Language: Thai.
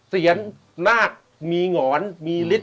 เสียญนาดมีหงรมีฤทธิ์